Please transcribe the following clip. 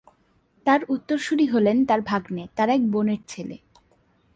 তার উত্তরসূরী হলেন তার ভাগ্নে, তার এক বোনের ছেলে।